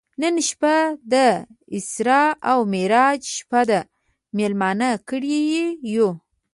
نن شپه د اسرا او معراج شپه ده میلمانه کړي یو.